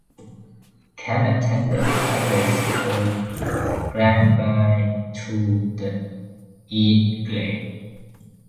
Camp attended public school in Granby through the eighth grade.